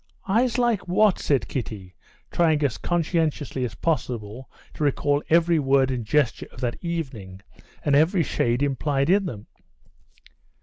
"Eyes like what?" said Kitty, trying as conscientiously as possible to recall every word and gesture of that evening and every shade implied in them.